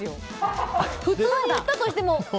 普通に言ったとしても。